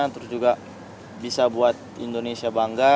terus juga bisa buat indonesia bangga